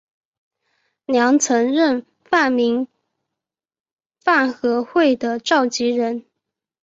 梁曾任泛民饭盒会的召集人。